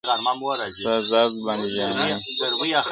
ستاسي ذات باندي جامې مو چي گنډلي؛